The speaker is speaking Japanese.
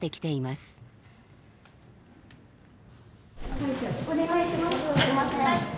すいません。